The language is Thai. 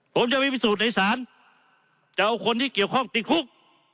ผมจะไปพิสูจน์ในศาลจะเอาคนที่เกี่ยวข้องติดคุก